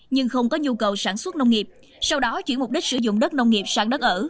nhưng không có nhu cầu sản xuất nông nghiệp sau đó chuyển mục đích sử dụng đất nông nghiệp sang đất ở